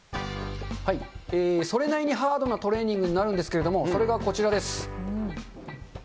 それなりにハードなトレーニングになるんですけれども、それがこちらです。